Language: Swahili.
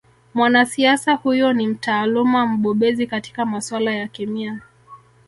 Mwanasiasa huyo ni mtaaluma mbobezi katika masuala ya kemia